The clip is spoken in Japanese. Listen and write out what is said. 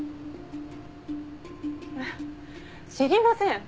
えっ知りません！